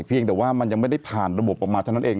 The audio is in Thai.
เพียงแต่ว่ามันยังไม่ได้ผ่านระบบออกมาเท่านั้นเอง